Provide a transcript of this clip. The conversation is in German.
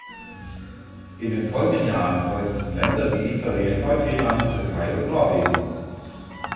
In den folgenden Jahren folgten Länder wie Israel, Neuseeland, die Türkei und Norwegen.